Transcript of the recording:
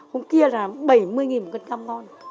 hôm kia là bảy mươi đồng một cân cam ngon